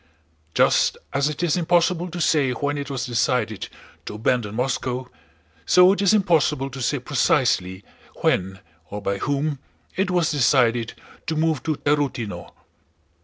Just as it is impossible to say when it was decided to abandon Moscow, so it is impossible to say precisely when, or by whom, it was decided to move to Tarútino.